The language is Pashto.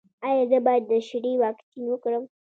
ایا زه باید د شري واکسین وکړم؟